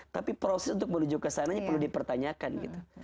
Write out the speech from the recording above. tapi proses untuk menuju ke sananya perlu dipertanyakan gitu